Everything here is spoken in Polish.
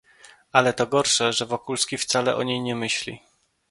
"Ale to gorsze, że Wokulski wcale o niej nie myśli."